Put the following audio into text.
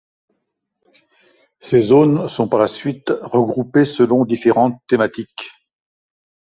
Ces zones sont par la suite regroupées selon différentes thématiques.